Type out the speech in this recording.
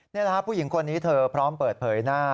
นี่แหละครับผู้หญิงคนนี้เธอพร้อมเปิดเผยหน้า